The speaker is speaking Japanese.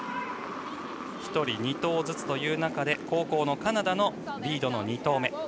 １人２投ずつという中で後攻のカナダのリードの２投目。